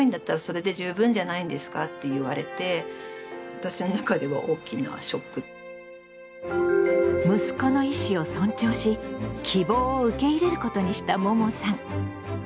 子どもの気持ちとしては息子の意思を尊重し希望を受け入れることにしたももさん。